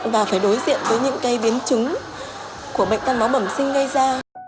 và phải đối diện với những cây biến chứng của bệnh tàn máu bậm sinh gây ra